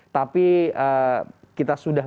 tapi kita sudah